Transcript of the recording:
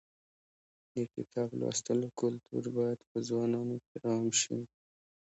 د کتاب لوستلو کلتور باید په ځوانانو کې عام شي.